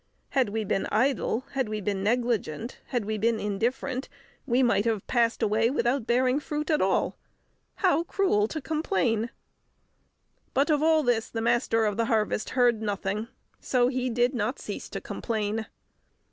Had we been idle, had we been negligent, had we been indifferent, we might have passed away without bearing fruit at all. How cruel to complain!" But of all this the Master of the Harvest heard nothing, so he did not cease to complain.